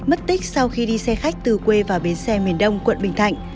mất tích sau khi đi xe khách từ quê vào bến xe miền đông quận bình thạnh